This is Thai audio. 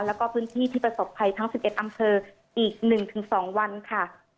แล้วก็พื้นที่ที่ประสบภัยทั้ง๑๑อำเภออีก๑๒วันค่ะ